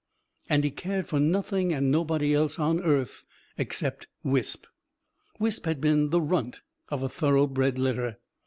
And he cared for nothing and nobody else on earth except Wisp. Wisp had been the runt of a thoroughbred litter.